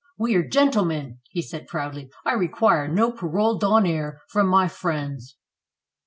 "We are gentlemen!" he said proudly. "I require no ^parole d'honneur' from my friends."